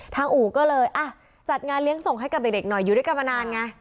อู่ก็เลยอ่ะจัดงานเลี้ยงส่งให้กับเด็กหน่อยอยู่ด้วยกันมานานไง